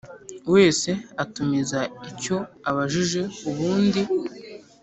wese atumiza icyo abashije ubundi